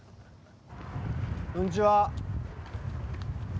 こんにちは。